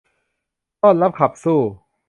ต้อนรับขับสู้